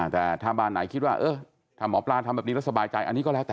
แต่ถ้าบ้านไหนคิดว่าถ้าหมอปลาทำแบบนี้แล้วสบายใจอันนี้ก็แล้วแต่